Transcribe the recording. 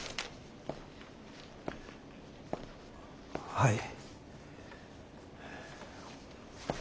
はい。